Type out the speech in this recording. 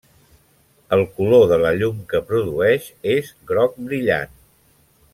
El color de la llum que produeix és groc brillant.